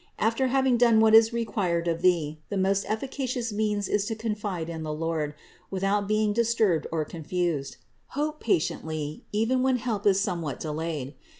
After having done what is required of thee, the most efficacious means is to confide in the Lord, without being disturbed or con fused; hope patiently, even when help is somewhat de layed.